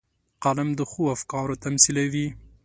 قلم د ښو افکارو تمثیلوي